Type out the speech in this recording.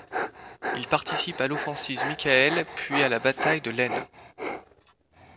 Il participe à l'offensive Michael puis à la bataille de l'Aisne.